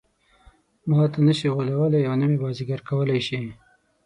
ماته نه شي غولولای او نه مې بازيګر کولای شي.